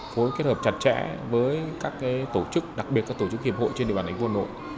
phối kết hợp chặt chẽ với các tổ chức đặc biệt các tổ chức hiệp hội trên địa bàn đảnh vua nội